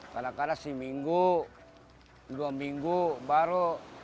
kadang kadang seminggu dua minggu baru